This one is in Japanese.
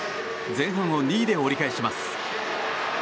前半を２位で折り返します。